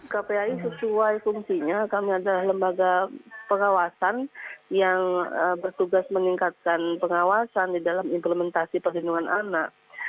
kpai sesuai fungsinya kami adalah lembaga pengawasan yang bertugas meningkatkan pengawasan di dalam implementasi perlindungan anak